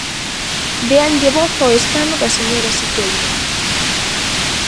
Déanlle voz ao escano da señora Siqueira.